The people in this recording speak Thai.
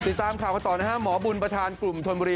ติดตามข่าวกันต่อนะฮะหมอบุญประธานกลุ่มธนบุรี